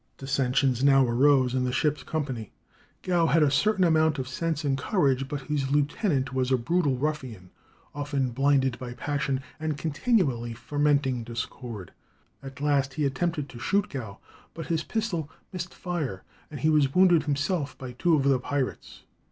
Dissensions now arose in the ship's company. Gow had a certain amount of sense and courage, but his lieutenant was a brutal ruffian, often blinded by passion, and continually fermenting discord. At last he attempted to shoot Gow, but his pistol missed fire, and he was wounded himself by two of the pirates.